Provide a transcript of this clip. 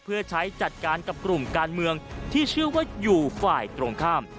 เพื่อใช้จัดการกับกลุ่มการเมืองที่เชื่อว่าอยู่ฝ่ายตรงข้าม